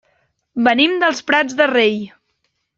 Venim dels Prats de Rei.